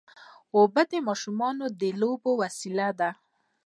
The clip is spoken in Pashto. اوبه د ماشومانو د لوبو وسیله ده.